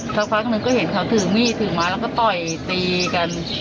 สักพักหนึ่งก็เห็นเขาถือมีดถือมาแล้วก็ต่อยตีกัน